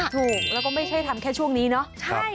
ถูกแล้วก็ไม่ใช่ทำแค่ช่วงนี้เนาะ